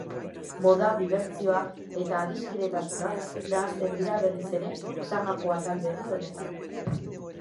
Moda, dibertsioa eta adiskidetasuna nahasten dira berriz ere sagako atal berri honetan.